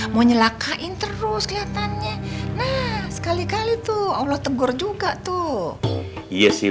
mau nyelakain terus kelihatannya nah sekali kali tuh allah tegur juga tuh iya sih